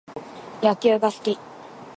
野球が好き